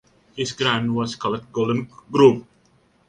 His grant was called Golden Grove.